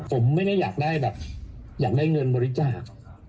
ผมไม่ได้อยากได้แบบอยากได้เงินบริจาค